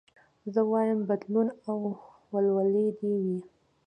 زه وايم بدلون او ولولې دي وي